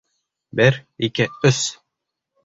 Бер, ике, өс!